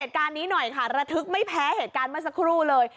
เหตุการณ์นี้หน่อยค่ะระทึกไม่แพ้เหตุการณ์เมื่อสักครู่เลย